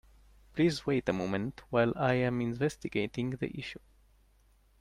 Please wait a moment while I am investigating the issue.